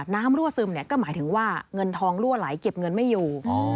รั่วซึมก็หมายถึงว่าเงินทองรั่วไหลเก็บเงินไม่อยู่